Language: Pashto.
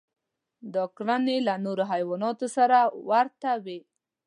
دا کړنې له نورو حیواناتو سره ورته وې.